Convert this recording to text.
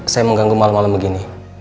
saya mengganggu malam malam begini